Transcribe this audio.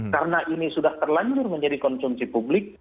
karena ini sudah terlanjur menjadi konsumsi publik